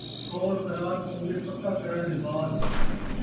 قول قرار کوں اُون٘دے پَکا کرݨ دے بعد